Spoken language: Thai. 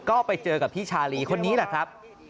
ก็ไปเจอกับพี่ชาลีคนนี้แหละครับ